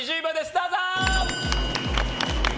どうぞ！